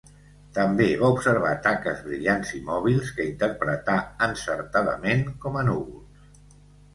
També va observar taques brillants i mòbils que interpretà encertadament com a núvols.